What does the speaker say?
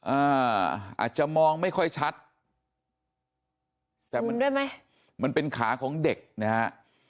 อ่าอาจจะมองไม่ค่อยชัดดูด้วยมั้ยมันเป็นขาของเด็กนะฮะ